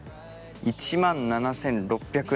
１万７６００円